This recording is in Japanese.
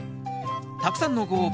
たくさんのご応募